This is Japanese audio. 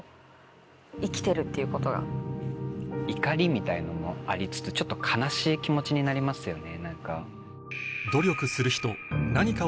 怒りみたいなものもありつつちょっと悲しい気持ちになりますよね